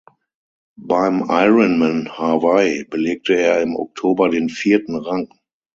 Beim Ironman Hawaii belegte er im Oktober den vierten Rang.